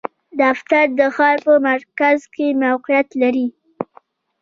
دفتر د ښار په مرکز کې موقعیت لری